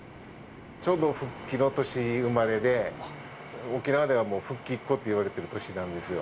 ちょうど復帰の年生まれで、沖縄ではもう復帰っ子っていわれている年なんですよ。